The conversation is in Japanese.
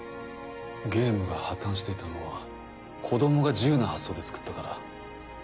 ゲームが破綻していたのは子供が自由な発想で作ったから。